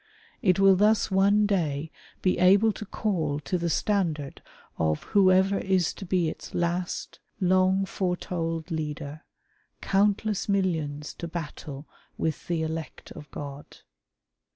It will thus one day be able to call to the standard of whoever is to be its last, long THE TRIUMril OF IRISH FAITH. 153 foretold leader, countless millions to battle with the elect of God.